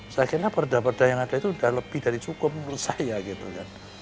saya kira perda perda yang ada itu sudah lebih dari cukup menurut saya gitu kan